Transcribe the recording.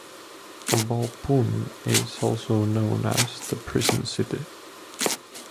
Waupun is also known as The Prison City.